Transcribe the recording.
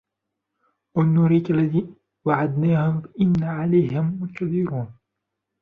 أَوْ نُرِيَنَّكَ الَّذِي وَعَدْنَاهُمْ فَإِنَّا عَلَيْهِمْ مُقْتَدِرُونَ